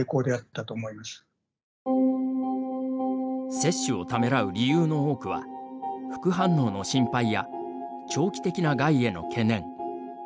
接種をためらう理由の多くは「副反応の心配」や「長期的な害への懸念」。